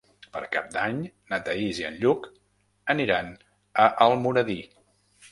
Per Cap d'Any na Thaís i en Lluc aniran a Almoradí.